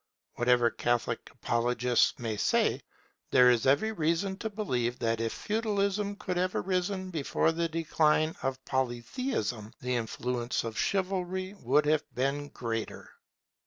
Whatever Catholic apologists may say, there is every reason to believe that if Feudalism could have arisen before the decline of Polytheism, the influence of Chivalry would have been greater.